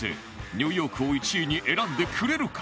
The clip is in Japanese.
ニューヨークを１位に選んでくれるか？